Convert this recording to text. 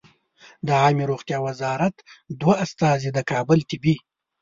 د عامې روغتیا وزارت دوه استازي د کابل طبي